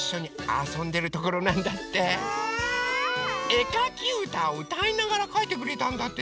えかきうたをうたいながらかいてくれたんだって！